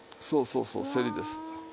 そうそうそうせりです。